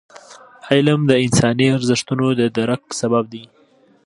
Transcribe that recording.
علم د انساني ارزښتونو د درک سبب دی.